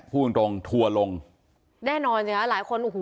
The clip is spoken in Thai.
พูดตรงตรงทัวร์ลงแน่นอนสิคะหลายคนโอ้โห